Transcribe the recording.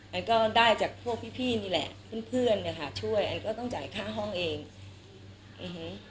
อันก็ได้จากพวกพี่พี่นี่แหละเพื่อนเพื่อนเนี้ยค่ะช่วยอันก็ต้องจ่ายค่าห้องเองอื้อหือ